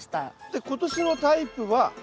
で今年のタイプは。